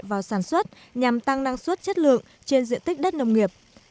vào sản xuất nhằm tăng năng suất chất lượng trên diện tích đất nông nghiệp